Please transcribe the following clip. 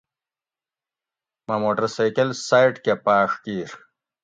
مٞہ موٹر سیکٞل سایٔڈ کٞہ پاٞݭ کِیر